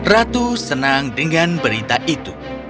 ratu senang dengan berita itu